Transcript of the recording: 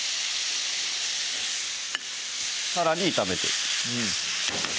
さらに炒めてうん